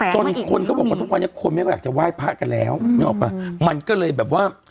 จนคนเขาบอกว่าทุกวันนี้คนไม่อยากจะไหว้พระกันแล้วนึกออกป่ะมันก็เลยแบบว่า